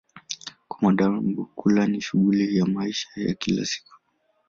Kwa wanadamu, kula ni shughuli ya maisha ya kila siku.